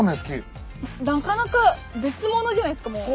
なかなか別物じゃないですかもう。